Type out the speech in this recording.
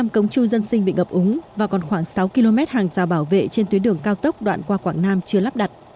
một mươi cống chu dân sinh bị ngập úng và còn khoảng sáu km hàng rào bảo vệ trên tuyến đường cao tốc đoạn qua quảng nam chưa lắp đặt